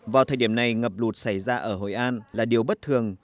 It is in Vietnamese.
vào thời điểm này ngập lụt xảy ra ở hội an là điều bất thường